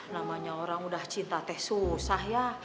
namanya orang udah cinta teh susah ya